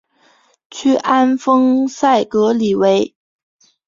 屈安丰塞格里韦。